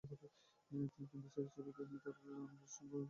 কিন্তু সিরিজটিতে তিনি তেমন রান কিংবা উইকেট সংগ্রহে ব্যর্থ হন।